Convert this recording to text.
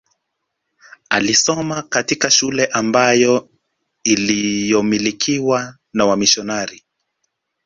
Alisoma katika shule ambayo iliyomilikiwa na wamisionari